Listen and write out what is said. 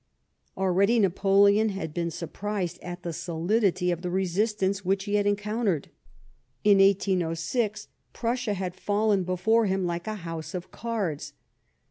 Already Napoleon had been surprised at the solidity of the resistance which he had encountered. In 1806, Prussia had fallen before him like a house of cards.